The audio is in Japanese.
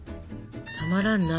たまらんな。